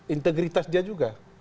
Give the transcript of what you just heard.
integritas dia juga